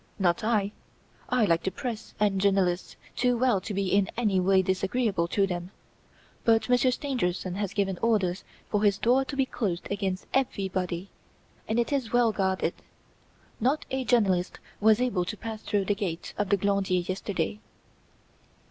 "Not I! I like the press and journalists too well to be in any way disagreeable to them; but Monsieur Stangerson has given orders for his door to be closed against everybody, and it is well guarded. Not a journalist was able to pass through the gate of the Glandier yesterday."